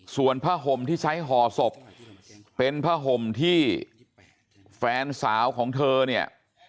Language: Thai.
ส่วนผ้าห่มที่ใช้ห่อศพเป็นผ้าห่มที่แฟนสาวของเธอเนี่ย